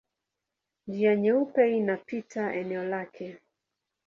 Njia Nyeupe inapita eneo lake.